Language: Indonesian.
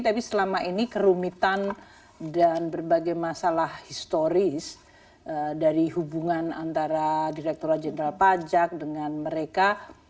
jadi selama ini kerumitan dan berbagai masalah historis dari hubungan antara direktur general pajak dengan mereka